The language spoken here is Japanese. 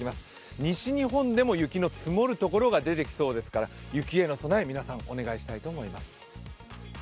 西日本でも雪の積もる所が出てきそうですから、雪への備え、皆さんお願いしたいと思います。